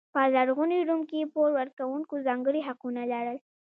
په لرغوني روم کې پور ورکوونکو ځانګړي حقونه لرل.